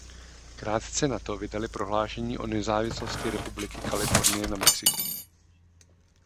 Krátce nato vydali prohlášení o nezávislosti Republiky Kalifornie na Mexiku.